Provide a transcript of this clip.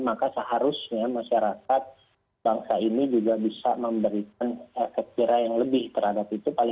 maka seharusnya masyarakat bangsa ini juga bisa memberikan efek kira yang lebih terhadap itu